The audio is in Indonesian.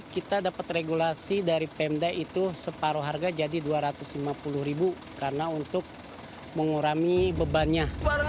kita dapat regulasi dari pemda itu separuh harga jadi rp dua ratus lima puluh karena untuk mengurangi bebannya